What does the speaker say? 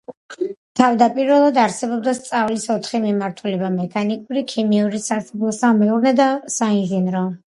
თავდაპირველად არსებობდა სწავლის ოთხი მიმართულება: მექანიკური, ქიმიური, სასოფლო-სამეურნეო და საინჟინრო.